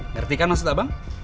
ngerti kan maksud abang